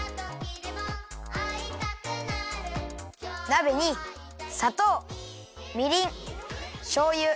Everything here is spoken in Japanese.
なべにさとうみりんしょうゆ